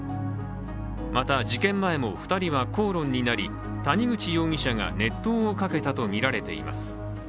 また事件前も２人は口論になり谷口容疑者が熱湯をかけたとみられています。